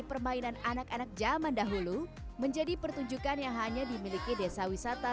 permainan anak anak zaman dahulu menjadi pertunjukan yang hanya dimiliki desa wisata